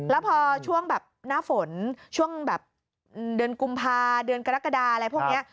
แล้วพอช่วงแบบหน้าฝนช่วงแบบเดือนกุมภาเดือนกรกฎาอะไรพวกนี้